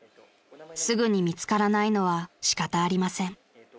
［すぐに見つからないのは仕方ありません］